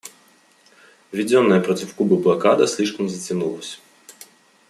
Введенная против Кубы блокада слишком затянулась.